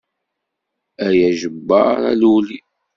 Ay ajebbar a lewli.